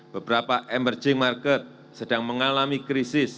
beberapa emerging market sedang mengalami krisis